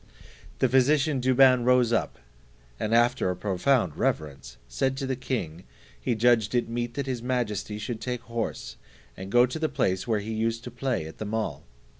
The physician Douban rose up, and after a profound reverence, said to the king, he judged it meet that his majesty should take horse, and go to the place where he used to play at mall.